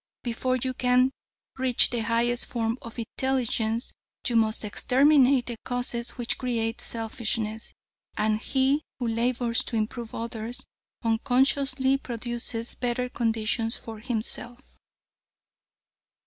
Before you can reach the highest form of intelligence, you must exterminate the causes which create selfishness. And he who labors to improve others, unconsciously produces better conditions for himself."